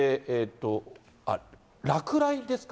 落雷ですか？